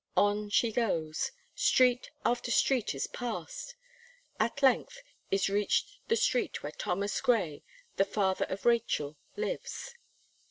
On she goes: street after street is passed; at length, is reached the street where Thomas Gray, the father of Rachel, lives.